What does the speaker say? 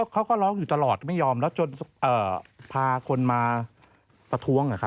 เขาก็ร้องอยู่ตลอดไม่ยอมแล้วจนพาคนมาประท้วง